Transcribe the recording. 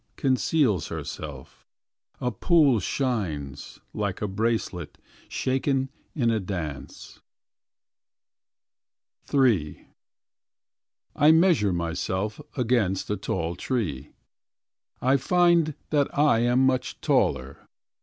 Conceals herself, A pool shines. Like a bracelet Shaken in a dance . III I measure myself Against a tall tree. I find that I am much taller.